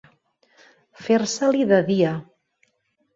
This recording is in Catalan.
Fer-se-li de dia.